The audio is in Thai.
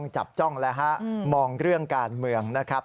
จับจ้องแล้วฮะมองเรื่องการเมืองนะครับ